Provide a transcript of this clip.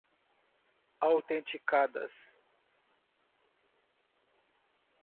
autenticadas